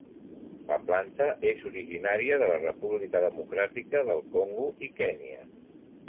La planta és originària de la República Democràtica del Congo i Kenya.